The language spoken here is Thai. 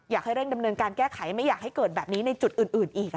อยากให้เร่งดำเนินการแก้ไขไม่อยากให้เกิดแบบนี้ในจุดอื่นอีก